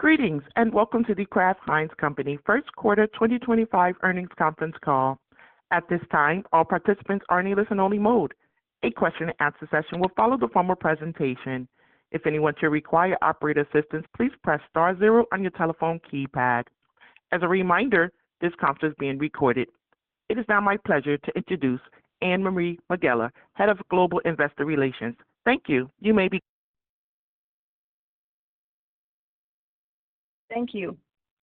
Greetings and Welcome to The Kraft Heinz Company First Quarter 2025 Earnings Conference Call. At this time, all participants are in a listen-only mode. A question-and-answer session will follow the formal presentation. If anyone should require operator assistance, please press star zero on your telephone keypad. As a reminder, this conference is being recorded. It is now my pleasure to introduce Anne-Marie Megela, Head of Global Investor Relations. Thank you. You may begin. Thank you.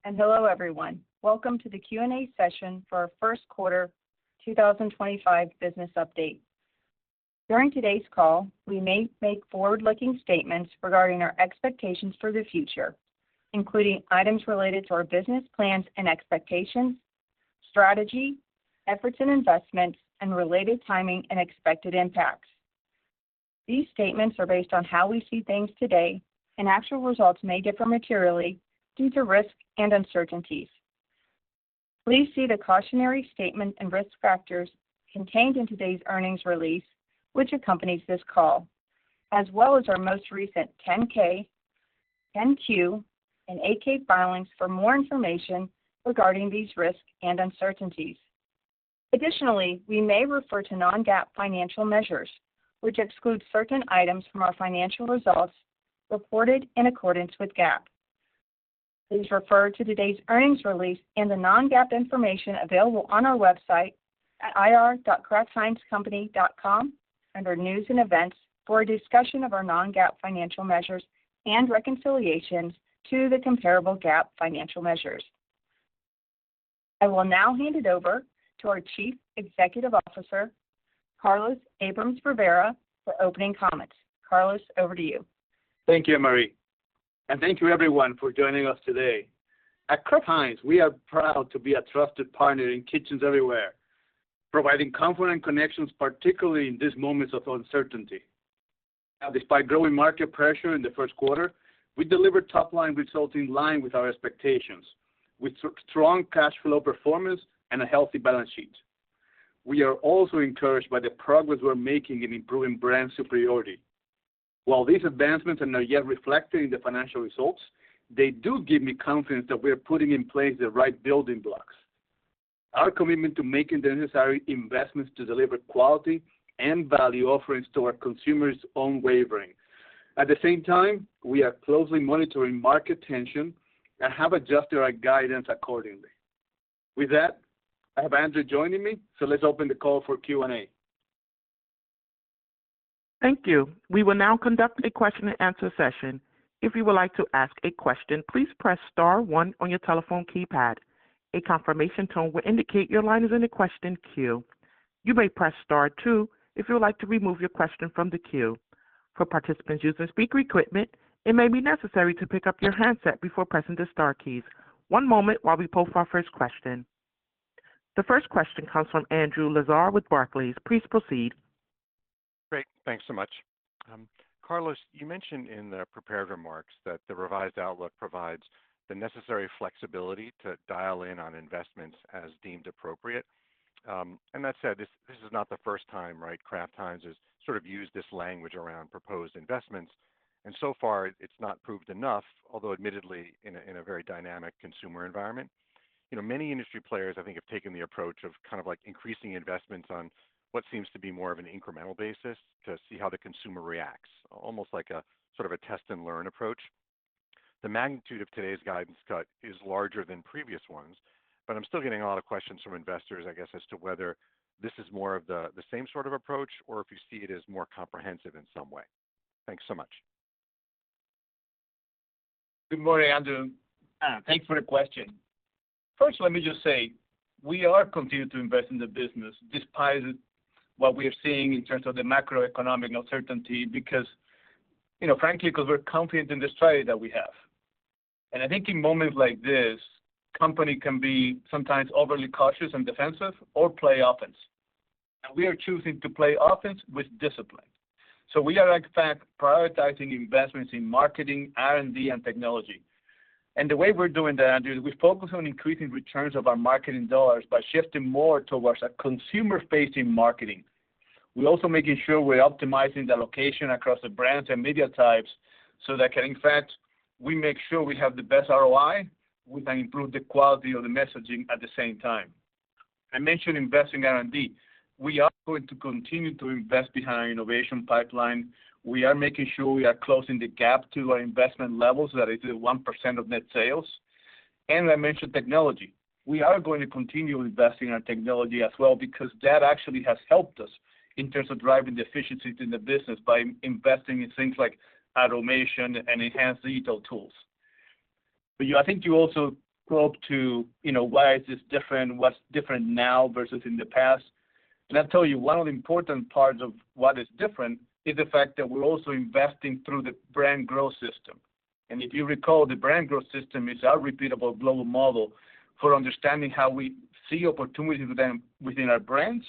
Hello, everyone. Welcome to the Q&A session for our First Quarter 2025 Business Update. During today's call, we may make forward-looking statements regarding our expectations for the future, including items related to our business plans and expectations, strategy, efforts and investments, and related timing and expected impacts. These statements are based on how we see things today, and actual results may differ materially due to risk and uncertainties. Please see the cautionary statement and risk factors contained in today's earnings release, which accompanies this call, as well as our most recent 10-K, 10-Q, and 8-K filings for more information regarding these risks and uncertainties. Additionally, we may refer to non-GAAP financial measures, which exclude certain items from our financial results reported in accordance with GAAP. Please refer to today's earnings release and the non-GAAP information available on our website at ir.kraftheinzcompany.com under News and Events for a discussion of our non-GAAP financial measures and reconciliations to the comparable GAAP financial measures. I will now hand it over to our Chief Executive Officer, Carlos Abrams-Rivera, for opening comments. Carlos, over to you. Thank you, Anne-Marie. Thank you, everyone, for joining us today. At Kraft Heinz, we are proud to be a trusted partner in kitchens everywhere, providing comfort and connections, particularly in these moments of uncertainty. Despite growing market pressure in the first quarter, we delivered top-line results in line with our expectations, with strong cash flow performance and a healthy balance sheet. We are also encouraged by the progress we're making in improving brand superiority. While these advancements are not yet reflected in the financial results, they do give me confidence that we are putting in place the right building blocks. Our commitment to making the necessary investments to deliver quality and value offerings to our consumers is unwavering. At the same time, we are closely monitoring market tension and have adjusted our guidance accordingly. With that, I have Andre joining me, so let's open the call for Q&A. Thank you. We will now conduct a question-and-answer session. If you would like to ask a question, please press star one on your telephone keypad. A confirmation tone will indicate your line is in the question queue. You may press star two if you would like to remove your question from the queue. For participants using speaker equipment, it may be necessary to pick up your handset before pressing the star keys. One moment while we pull for our first question. The first question comes from Andrew Lazar with Barclays. Please proceed. Great. Thanks so much. Carlos, you mentioned in the prepared remarks that the revised outlook provides the necessary flexibility to dial in on investments as deemed appropriate. That said, this is not the first time, right? Kraft Heinz has sort of used this language around proposed investments. So far, it's not proved enough, although admittedly in a very dynamic consumer environment. Many industry players, I think, have taken the approach of kind of like increasing investments on what seems to be more of an incremental basis to see how the consumer reacts, almost like a sort of a test-and-learn approach. The magnitude of today's guidance cut is larger than previous ones, but I'm still getting a lot of questions from investors, I guess, as to whether this is more of the same sort of approach or if you see it as more comprehensive in some way. Thanks so much. Good morning, Andrew. Thanks for the question. First, let me just say we are continuing to invest in the business despite what we are seeing in terms of the macroeconomic uncertainty because, frankly, because we're confident in the strategy that we have. I think in moments like this, companies can be sometimes overly cautious and defensive or play offense. We are choosing to play offense with discipline. We are in fact prioritizing investments in marketing, R&D, and technology. The way we're doing that, Andrew, is we focus on increasing returns of our marketing dollars by shifting more towards a consumer-facing marketing. We're also making sure we're optimizing the location across the brands and media types so that, in fact, we make sure we have the best ROI with an improved quality of the messaging at the same time. I mentioned investing R&D. We are going to continue to invest behind our innovation pipeline. We are making sure we are closing the gap to our investment levels that is the 1% of net sales. I mentioned technology. We are going to continue investing in our technology as well because that actually has helped us in terms of driving the efficiencies in the business by investing in things like automation and enhanced digital tools. I think you also spoke to why is this different, what's different now versus in the past. I'll tell you, one of the important parts of what is different is the fact that we're also investing through the Brand Growth System. If you recall, the Brand Growth System is our repeatable global model for understanding how we see opportunities within our brands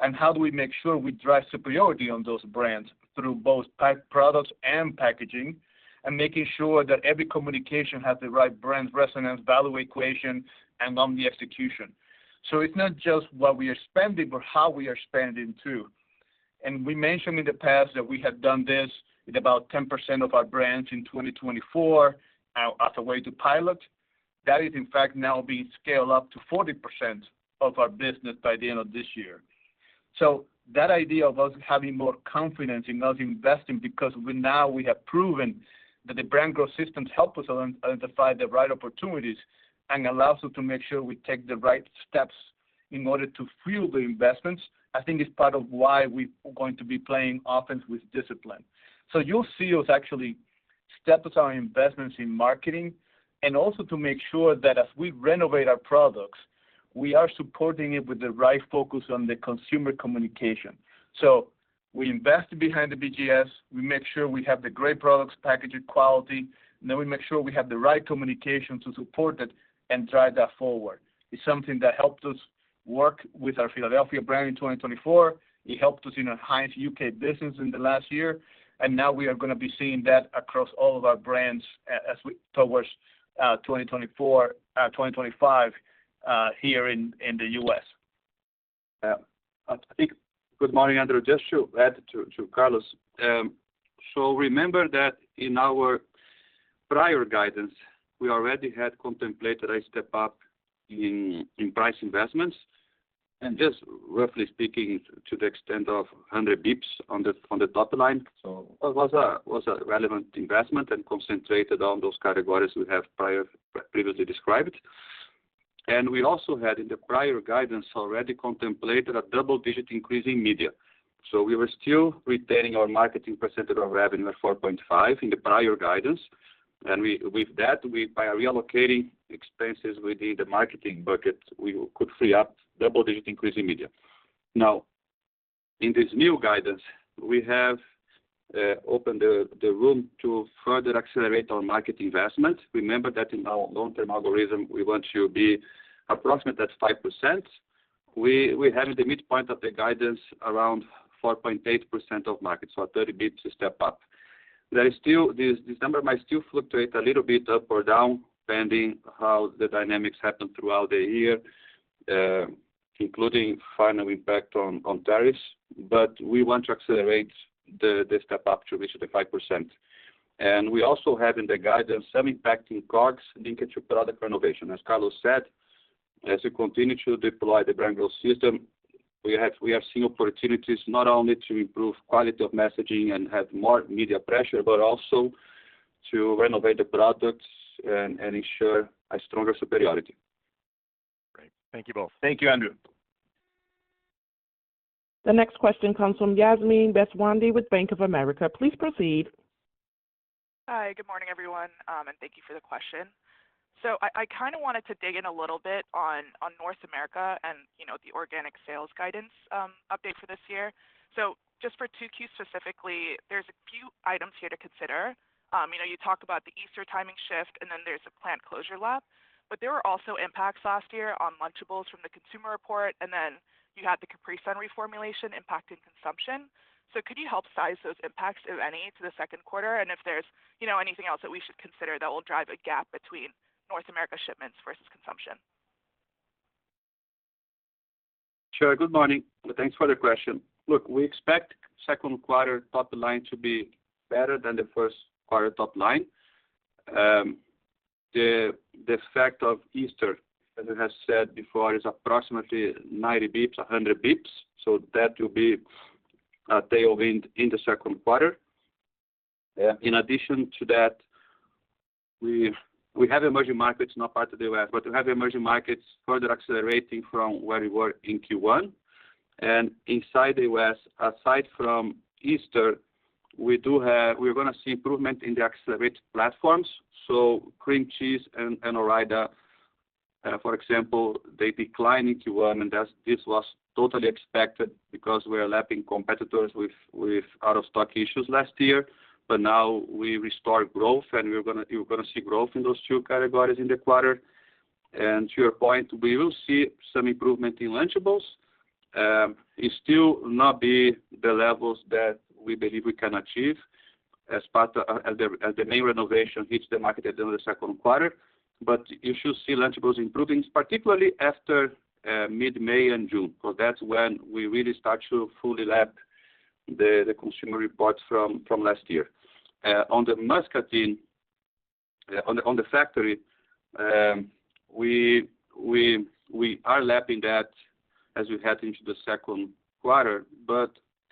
and how do we make sure we drive superiority on those brands through both products and packaging and making sure that every communication has the right brand resonance, value equation, and on the execution. It is not just what we are spending, but how we are spending too. We mentioned in the past that we had done this with about 10% of our brands in 2024 as a way to pilot. That is in fact now being scaled up to 40% of our business by the end of this year. That idea of us having more confidence in us investing because now we have proven that the brand growth systems help us identify the right opportunities and allows us to make sure we take the right steps in order to fuel the investments, I think is part of why we're going to be playing offense with discipline. You'll see us actually step up our investments in marketing and also to make sure that as we renovate our products, we are supporting it with the right focus on the consumer communication. We invest behind the BGS. We make sure we have the great products, packaged quality, and then we make sure we have the right communication to support it and drive that forward. It's something that helped us work with our Philadelphia brand in 2024. It helped us in our Heinz U.K. business in the last year. We are going to be seeing that across all of our brands as we move towards 2024, 2025 here in the U.S. Yeah. I think good morning, Andrew. Just to add to Carlos. Remember that in our prior guidance, we already had contemplated a step up in price investments. Just roughly speaking, to the extent of 100 basis points on the top line, so it was a relevant investment and concentrated on those categories we have previously described. We also had in the prior guidance already contemplated a double-digit increase in media. We were still retaining our marketing percentage of revenue at 4.5% in the prior guidance. With that, by relocating expenses within the marketing bucket, we could free up a double-digit increase in media. Now, in this new guidance, we have opened the room to further accelerate our market investment. Remember that in our long-term algorithm, we want to be approximate at 5%. We have in the midpoint of the guidance around 4.8% of market, so a 30 basis points step up. There is still this number might still fluctuate a little bit up or down, depending how the dynamics happen throughout the year, including final impact on tariffs. We want to accelerate the step up to reach the 5%. We also have in the guidance some impacting COGS linked to product renovation. As Carlos said, as we continue to deploy the Brand Growth System, we are seeing opportunities not only to improve quality of messaging and have more media pressure, but also to renovate the products and ensure a stronger superiority. Great. Thank you both. Thank you, Andrew. The next question comes from Yasmine Deswandhy with Bank of America. Please proceed. Hi, good morning, everyone. Thank you for the question. I kind of wanted to dig in a little bit on North America and the organic sales guidance update for this year. Just for 2Q specifically, there's a few items here to consider. You talked about the Easter timing shift, and then there's a plant closure lap. There were also impacts last year on Lunchables from the Consumer Reports, and then you had the Capri Sun reformulation impacting consumption. Could you help size those impacts, if any, to the second quarter? If there's anything else that we should consider that will drive a gap between North America shipments versus consumption? Sure. Good morning. Thanks for the question. Look, we expect the second quarter top line to be better than the first quarter top line. The fact of Easter, as I have said before, is approximately 90 basis points, 100 basis points. That will be a tailwind in the second quarter. In addition to that, we have emerging markets, not part of the U.S., but we have emerging markets further accelerating from where we were in Q1. Inside the U.S., aside from Easter, we are going to see improvement in the accelerated platforms. Cream cheese and Ore-Ida, for example, declined in Q1, and this was totally expected because we were lapping competitors with out-of-stock issues last year. Now we restore growth, and we are going to see growth in those two categories in the quarter. To your point, we will see some improvement in Lunchables. It's still not the levels that we believe we can achieve as the main renovation hits the market at the end of the second quarter. You should see Lunchables improving, particularly after mid-May and June, because that's when we really start to fully lap the Consumer Reports from last year. On the Muscatine, on the factory, we are lapping that as we head into the second quarter,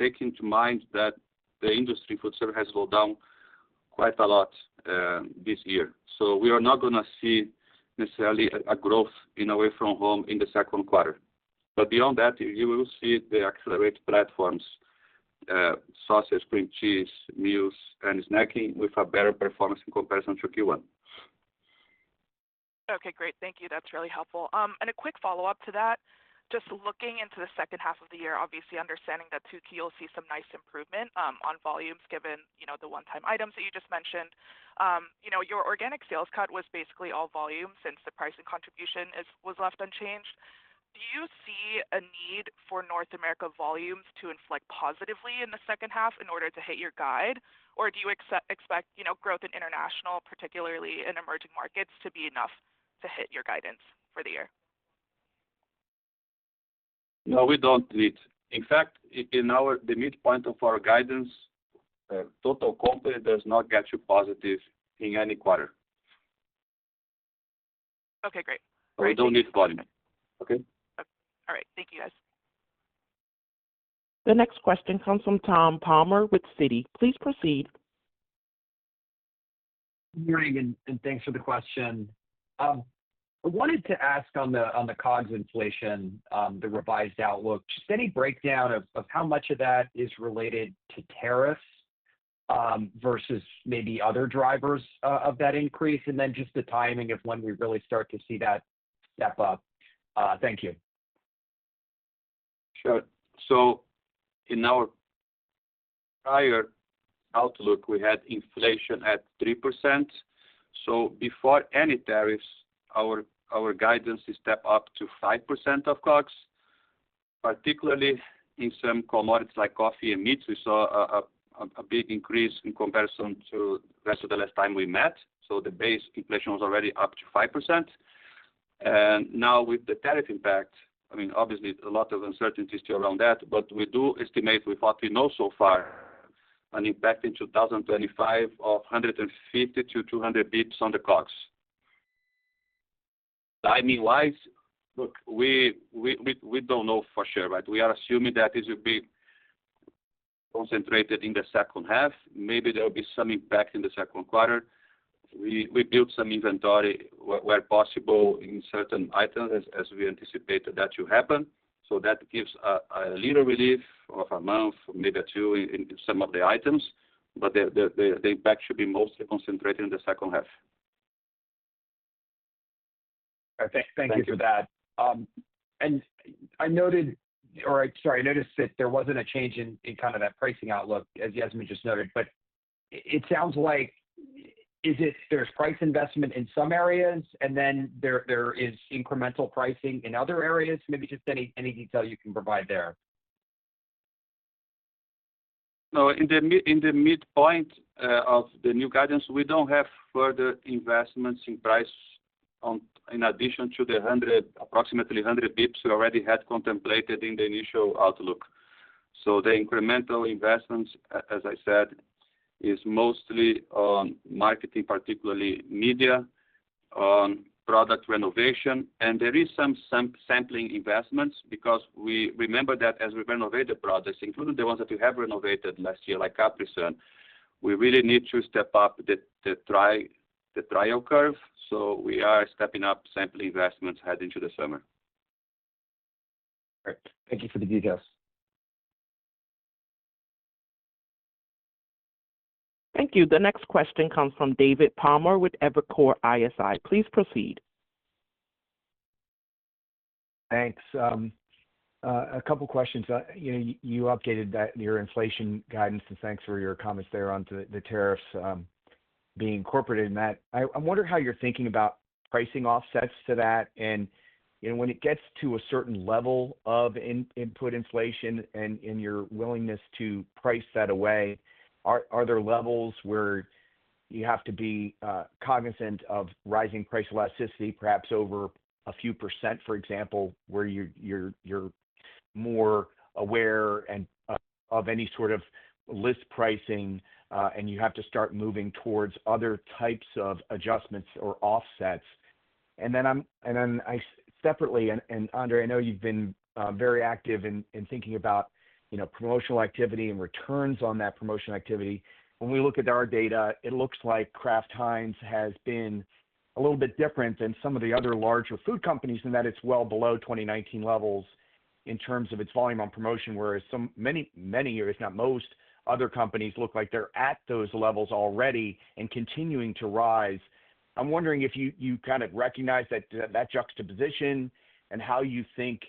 taking to mind that the industry food service has slowed down quite a lot this year. We are not going to see necessarily a growth in away from home in the second quarter. Beyond that, you will see the accelerated platforms, sausage, cream cheese, meals, and snacking with a better performance in comparison to Q1. Okay, great. Thank you. That's really helpful. A quick follow-up to that, just looking into the second half of the year, obviously understanding that 2Q will see some nice improvement on volumes given the one-time items that you just mentioned. Your organic sales cut was basically all volumes since the pricing contribution was left unchanged. Do you see a need for North America volumes to inflect positively in the second half in order to hit your guide? Do you expect growth in international, particularly in emerging markets, to be enough to hit your guidance for the year? No, we don't need. In fact, in the midpoint of our guidance, total company does not get to positive in any quarter. Okay, great. We don't need volume. Okay? All right. Thank you, guys. The next question comes from Tom Palmer with Citi. Please proceed. Good morning and thanks for the question. I wanted to ask on the COGS inflation, the revised outlook, just any breakdown of how much of that is related to tariffs versus maybe other drivers of that increase, and then just the timing of when we really start to see that step up. Thank you. Sure. In our prior outlook, we had inflation at 3%. Before any tariffs, our guidance is step up to 5% of COGS. Particularly in some commodities like coffee and meats, we saw a big increase in comparison to the rest of the last time we met. The base inflation was already up to 5%. Now with the tariff impact, I mean, obviously a lot of uncertainties still around that, but we do estimate with what we know so far an impact in 2025 of 150 to 200 basis points on the COGS. Timing-wise, look, we do not know for sure, right? We are assuming that this will be concentrated in the second half. Maybe there will be some impact in the second quarter. We built some inventory where possible in certain items as we anticipated that to happen. That gives a little relief of a month, maybe two in some of the items, but the impact should be mostly concentrated in the second half. Thank you for that. I noticed that there was not a change in kind of that pricing outlook, as Yasmin just noted. It sounds like there is price investment in some areas, and then there is incremental pricing in other areas. Maybe just any detail you can provide there. No, in the midpoint of the new guidance, we do not have further investments in price in addition to the approximately 100 basis points we already had contemplated in the initial outlook. The incremental investments, as I said, are mostly on marketing, particularly media, on product renovation. There are some sampling investments because we remember that as we renovate the products, including the ones that we have renovated last year, like Capri Sun, we really need to step up the trial curve. We are stepping up sampling investments heading into the summer. Great. Thank you for the details. Thank you. The next question comes from David Palmer with Evercore ISI. Please proceed. Thanks. A couple of questions. You updated your inflation guidance, and thanks for your comments there on the tariffs being incorporated in that. I wonder how you're thinking about pricing offsets to that. When it gets to a certain level of input inflation and your willingness to price that away, are there levels where you have to be cognizant of rising price elasticity, perhaps over a few percent, for example, where you're more aware of any sort of list pricing, and you have to start moving towards other types of adjustments or offsets? Separately, and Andre, I know you've been very active in thinking about promotional activity and returns on that promotional activity. When we look at our data, it looks like Kraft Heinz has been a little bit different than some of the other larger food companies in that it's well below 2019 levels in terms of its volume on promotion, whereas many, many years, if not most, other companies look like they're at those levels already and continuing to rise. I'm wondering if you kind of recognize that juxtaposition and how you think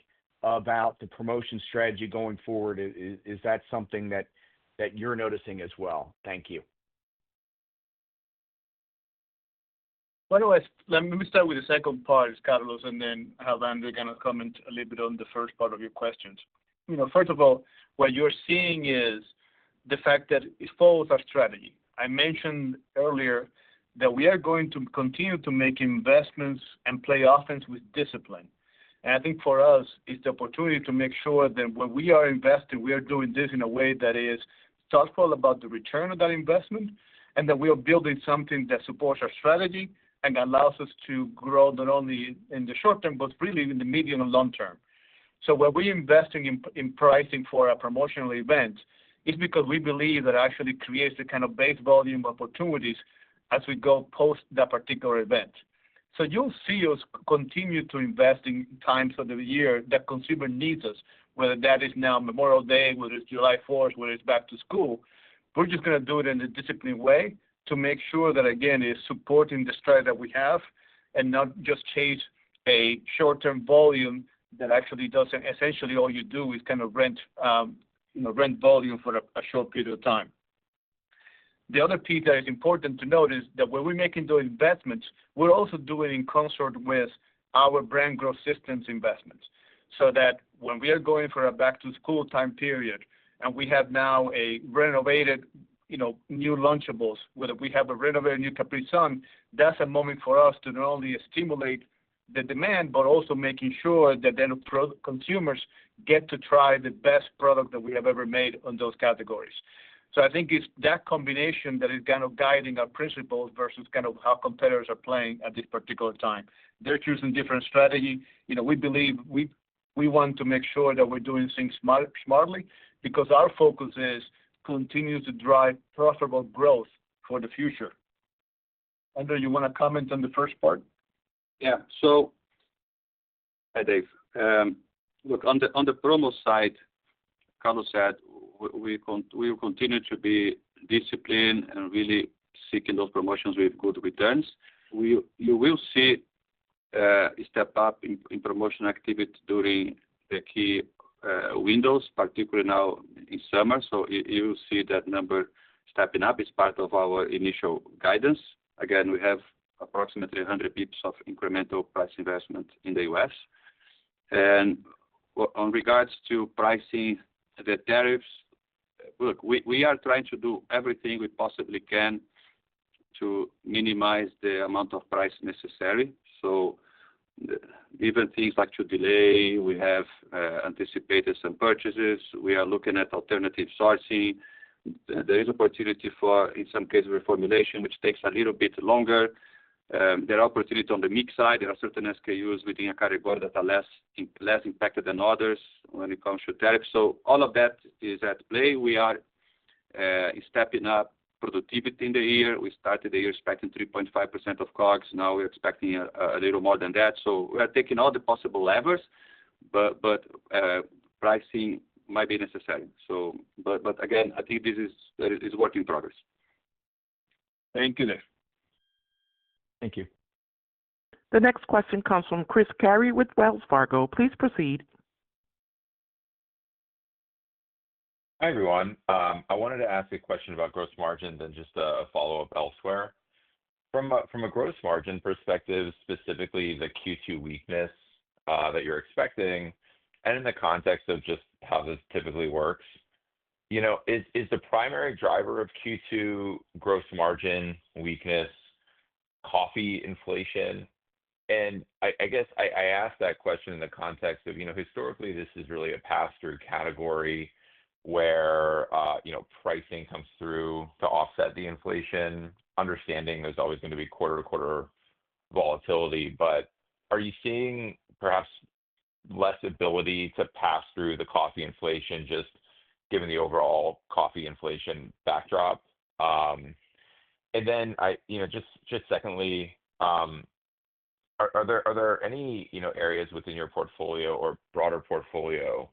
about the promotion strategy going forward. Is that something that you're noticing as well? Thank you. Let me start with the second part, Carlos, and then have Andre kind of comment a little bit on the first part of your questions. First of all, what you're seeing is the fact that it follows our strategy. I mentioned earlier that we are going to continue to make investments and play offense with discipline. I think for us, it's the opportunity to make sure that when we are investing, we are doing this in a way that is thoughtful about the return of that investment, and that we are building something that supports our strategy and allows us to grow not only in the short term, but really in the medium and long term. When we invest in pricing for a promotional event, it's because we believe that actually creates the kind of base volume opportunities as we go post that particular event. You'll see us continue to invest in times of the year that consumer needs us, whether that is now Memorial Day, whether it's July 4th, whether it's back to school. We're just going to do it in a disciplined way to make sure that, again, it's supporting the strategy that we have and not just chase a short-term volume that actually doesn't essentially all you do is kind of rent volume for a short period of time. The other piece that is important to note is that when we're making those investments, we're also doing it in concert with our brand growth systems investments. That when we are going for a back-to-school time period and we have now a renovated new Lunchables, whether we have a renovated new Capri Sun, that's a moment for us to not only stimulate the demand, but also making sure that then consumers get to try the best product that we have ever made on those categories. I think it's that combination that is kind of guiding our principles versus kind of how competitors are playing at this particular time. They're choosing different strategy. We believe we want to make sure that we're doing things smartly because our focus is continuing to drive profitable growth for the future. Andrew, you want to comment on the first part? Yeah. Hi, Dave. Look, on the promo side, Carlos said, we will continue to be disciplined and really seeking those promotions with good returns. You will see a step up in promotional activity during the key windows, particularly now in summer. You will see that number stepping up as part of our initial guidance. Again, we have approximately 100 basis points of incremental price investment in the U.S. In regards to pricing the tariffs, look, we are trying to do everything we possibly can to minimize the amount of price necessary. Even things like to delay, we have anticipated some purchases. We are looking at alternative sourcing. There is opportunity for, in some cases, reformulation, which takes a little bit longer. There are opportunities on the mix side. There are certain SKUs within a category that are less impacted than others when it comes to tariffs. All of that is at play. We are stepping up productivity in the year. We started the year expecting 3.5% of COGS. Now we're expecting a little more than that. We are taking all the possible levers, but pricing might be necessary. Again, I think this is a work in progress. Thank you, Dave. Thank you. The next question comes from Chris Carey with Wells Fargo. Please proceed. Hi everyone. I wanted to ask a question about gross margins and just a follow-up elsewhere. From a gross margin perspective, specifically the Q2 weakness that you're expecting, and in the context of just how this typically works, is the primary driver of Q2 gross margin weakness coffee inflation? I guess I asked that question in the context of historically, this is really a pass-through category where pricing comes through to offset the inflation, understanding there's always going to be quarter-to-quarter volatility. Are you seeing perhaps less ability to pass through the coffee inflation just given the overall coffee inflation backdrop? Secondly, are there any areas within your portfolio or broader portfolio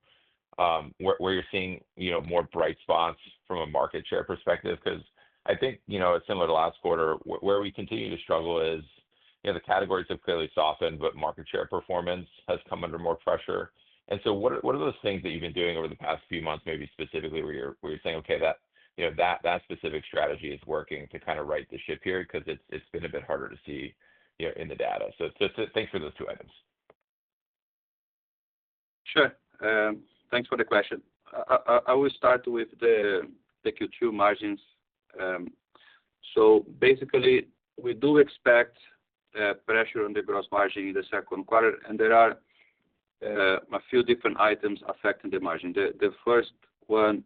where you're seeing more bright spots from a market share perspective? Because I think similar to last quarter, where we continue to struggle is the categories have clearly softened, but market share performance has come under more pressure. What are those things that you've been doing over the past few months, maybe specifically where you're saying, "Okay, that specific strategy is working to kind of right the ship here because it's been a bit harder to see in the data"? Thanks for those two items. Sure. Thanks for the question. I will start with the Q2 margins. Basically, we do expect pressure on the gross margin in the second quarter, and there are a few different items affecting the margin. The first one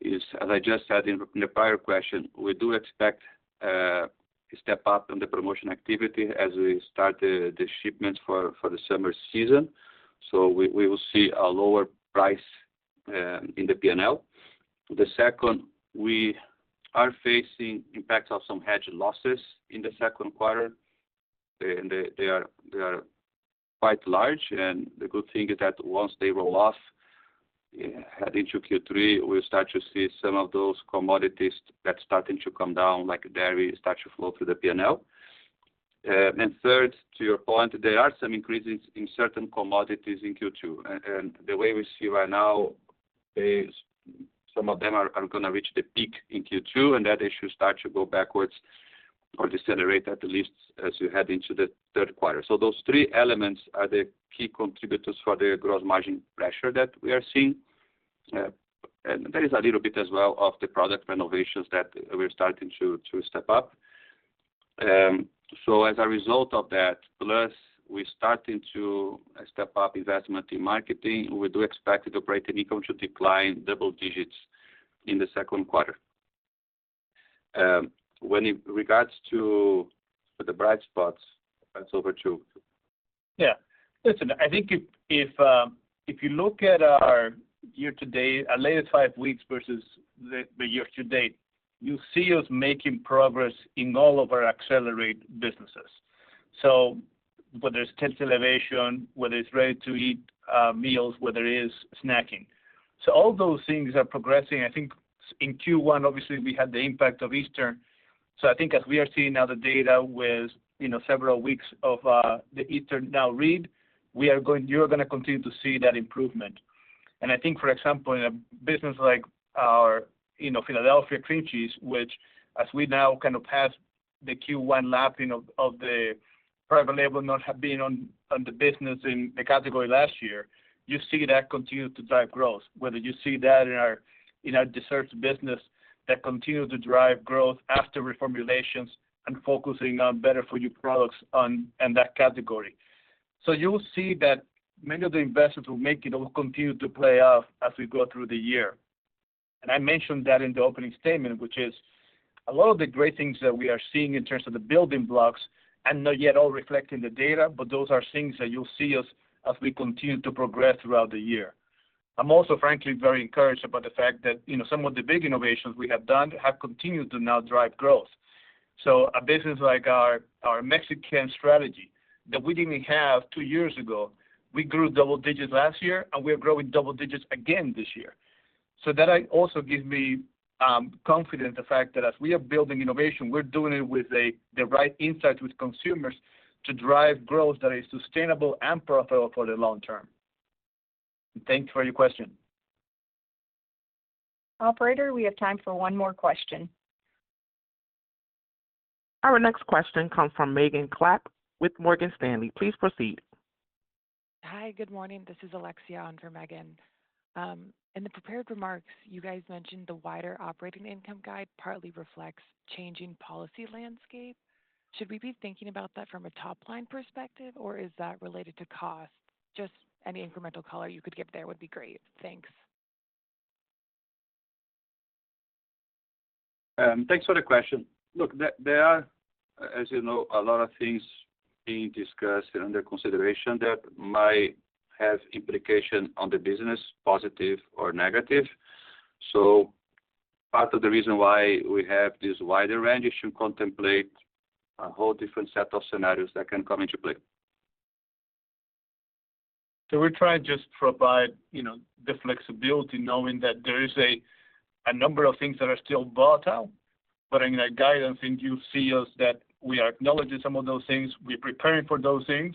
is, as I just said in the prior question, we do expect a step up in the promotion activity as we start the shipments for the summer season. We will see a lower price in the P&L. The second, we are facing impacts of some hedge losses in the second quarter, and they are quite large. The good thing is that once they roll off, heading into Q3, we'll start to see some of those commodities that are starting to come down, like dairy, start to flow through the P&L. Third, to your point, there are some increases in certain commodities in Q2. The way we see right now, some of them are going to reach the peak in Q2, and that issue starts to go backwards or decelerate, at least as you head into the third quarter. Those three elements are the key contributors for the gross margin pressure that we are seeing. There is a little bit as well of the product renovations that we're starting to step up. As a result of that, plus we're starting to step up investment in marketing, we do expect the operating income to decline double digits in the second quarter. When it regards to the bright spots, that's over to you. Yeah. Listen, I think if you look at our year-to-date, our latest five weeks versus the year-to-date, you'll see us making progress in all of our accelerated businesses. Whether it's Taste Elevation, whether it's ready-to-eat meals, whether it is snacking. All those things are progressing. I think in Q1, obviously, we had the impact of Easter. I think as we are seeing now the data with several weeks of the Easter now read, you're going to continue to see that improvement. I think, for example, in a business like our Philadelphia cream cheese, which, as we now kind of pass the Q1 lapping of the private label not being on the business in the category last year, you see that continue to drive growth. Whether you see that in our desserts business, that continues to drive growth after reformulations and focusing on better-for-you products in that category. You will see that many of the investments we're making will continue to play off as we go through the year. I mentioned that in the opening statement, which is a lot of the great things that we are seeing in terms of the building blocks and not yet all reflecting the data, but those are things that you'll see us as we continue to progress throughout the year. I'm also, frankly, very encouraged about the fact that some of the big innovations we have done have continued to now drive growth. A business like our Mexican strategy that we didn't have two years ago, we grew double digits last year, and we are growing double digits again this year. That also gives me confidence, the fact that as we are building innovation, we're doing it with the right insights with consumers to drive growth that is sustainable and profitable for the long term. Thank you for your question. Operator, we have time for one more question. Our next question comes from Megan Klap with Morgan Stanley. Please proceed. Hi, good morning. This is Alexia on for Megan. In the prepared remarks, you guys mentioned the wider operating income guide partly reflects changing policy landscape. Should we be thinking about that from a top-line perspective, or is that related to cost? Just any incremental color you could give there would be great. Thanks. Thanks for the question. Look, there are, as you know, a lot of things being discussed and under consideration that might have implications on the business, positive or negative. Part of the reason why we have this wider range is to contemplate a whole different set of scenarios that can come into play. We are trying to just provide the flexibility, knowing that there is a number of things that are still volatile, but in a guidance, you'll see us that we are acknowledging some of those things, we're preparing for those things,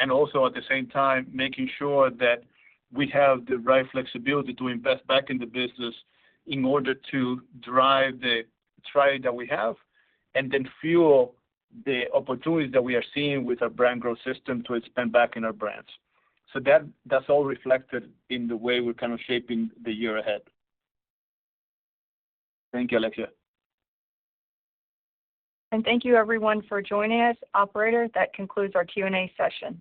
and also at the same time, making sure that we have the right flexibility to invest back in the business in order to drive the trade that we have and then fuel the opportunities that we are seeing with our Brand Growth System to expand back in our brands. That is all reflected in the way we're kind of shaping the year ahead. Thank you, Alexia. Thank you, everyone, for joining us. Operator, that concludes our Q&A session.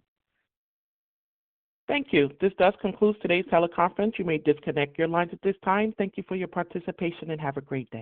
Thank you. This does conclude today's teleconference. You may disconnect your lines at this time. Thank you for your participation and have a great day.